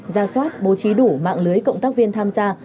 ra soát bố trí đủ mạng lưới cộng tác viên tham gia